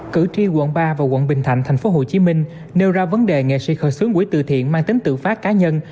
cử tri quận ba và quận bình thạnh tp hcm nêu ra vấn đề nghệ sĩ khởi xướng quỹ tự thiện mang tính tự phát cá nhân